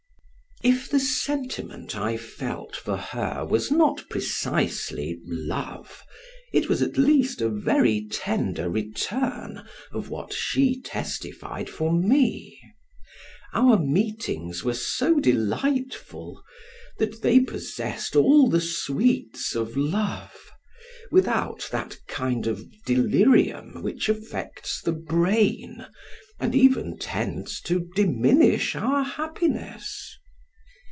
If the sentiment I felt for her was not precisely love, it was at least a very tender return of what she testified for me; our meetings were so delightful, that they possessed all the sweets of love; without that kind of delirium which affects the brain, and even tends to diminish our happiness.